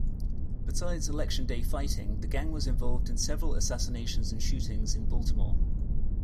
Besides election-day fighting, the gang was involved in several assassinations and shootings in Baltimore.